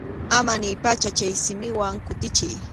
Ama niypacha chay simiwan kutichiy.